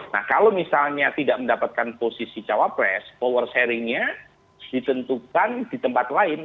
nah kalau misalnya tidak mendapatkan posisi cawapres power sharingnya ditentukan di tempat lain